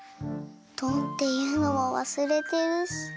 「ドン」っていうのもわすれてるし。